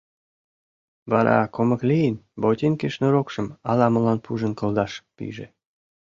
Вара, кумык лийын, ботинке шнурокшым ала-молан пужен кылдаш пиже.